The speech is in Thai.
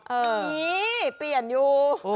อันนี้เปลี่ยนอยู่